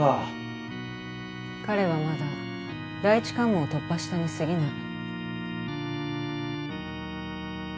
彼はまだ第１関門を突破したにすぎない。